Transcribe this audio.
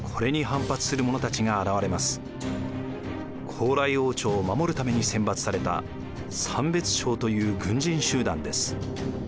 高麗王朝を守るために選抜された三別抄という軍人集団です。